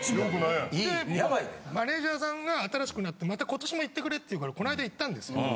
でマネージャーさんが新しくなってまた今年も行ってくれって言うからこないだ行ったんですよ。